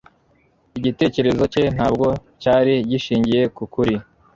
Igitekerezo cye ntabwo cyari gishingiye ku kuri